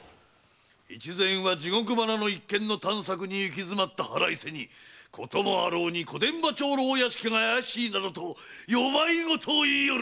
越前は地獄花の一件の探索に行き詰まった腹いせにこともあろうに小伝馬町牢屋敷が怪しいなどと世迷言を言いよる。